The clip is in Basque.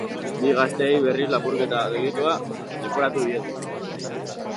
Bi gazteei, berriz, lapurreta delitua leporatu diete.